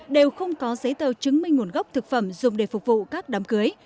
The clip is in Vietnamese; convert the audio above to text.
đều không có giấy tờ chứng minh nguồn gốc thực phẩm dùng để phục vụ các đám cưới